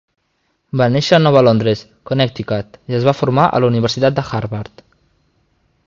Va néixer a Nova Londres, Connecticut, i es va formar a la Universitat de Harvard.